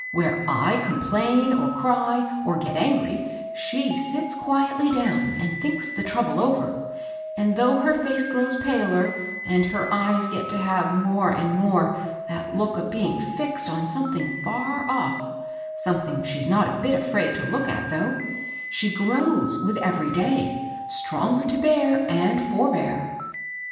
Where 1 complain, or cry, or get angry, she sits qui etly down and thinks the trouble over; and though her face grows paler, and her eyes get to have more and more that look of being fixed on something far off, — something she's not a bit afraid to look at, though, ^ she grows, with every day, stronger to bear and fer^^tr 272 MABEL ROSS.